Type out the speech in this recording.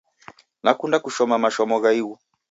Nakunde kushoma mashomo gha ighu